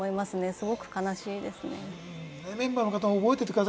すごく悲しいですね。